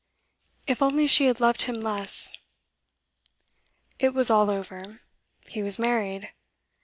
If only she had loved him less! It was all over; he was married.